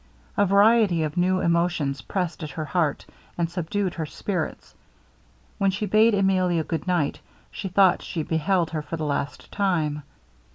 A variety of new emotions pressed at her heart, and subdued her spirits. When she bade Emilia good night, she thought she beheld her for the last time.